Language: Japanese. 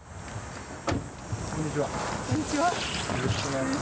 こんにちは。